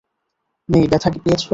মেই, ব্যথা পেয়েছ?